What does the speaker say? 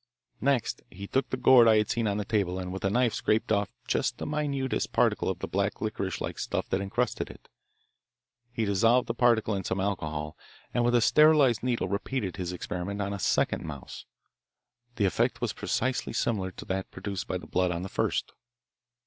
Next he took the gourd I had seen on the table and with a knife scraped off just the minutest particle of the black licorice like stuff that encrusted it. He dissolved the particle in some alcohol and with a sterilised needle repeated his experiment on a second mouse. The effect was precisely similar to that produced by the blood on the first.